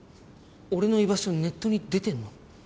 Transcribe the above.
俺の居場所ネットに出てんの？